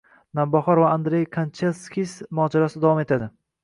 “Navbahor” va Andrey Kanchelskis mojarosi davom etadi